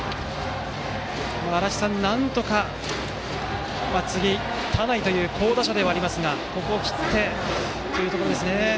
なんとか次、田内という好打者ではありますがここを切ってということですね。